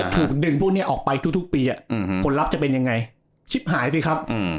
ถูกดึงพวกนี้ออกไปทุกปีผลลัพธ์จะเป็นยังไงชิปหายสิครับ